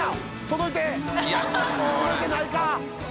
届いてないか！